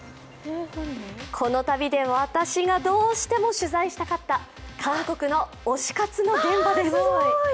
この旅で私がどうしても取材したかった韓国の推し活の現場です。